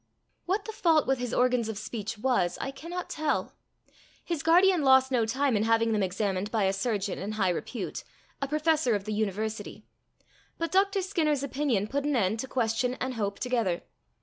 What the fault with his organs of speech was, I cannot tell. His guardian lost no time in having them examined by a surgeon in high repute, a professor of the university, but Dr. Skinner's opinion put an end to question and hope together.